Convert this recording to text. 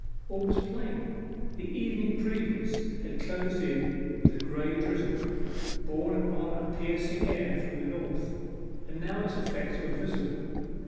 All was plain. The evening previous had closed in with a grey drizzle, borne upon a piercing air from the north, and now its effects were visible.